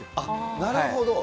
なるほど。